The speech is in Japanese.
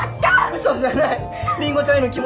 ウソじゃないりんごちゃんへの気持ちに